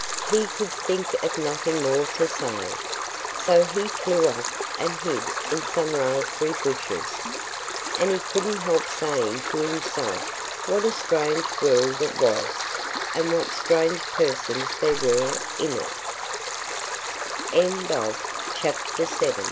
He could think of nothing more to say. So he flew off and hid in some raspberry bushes. And he couldn't help saying to himself what a strange world it was and what strange persons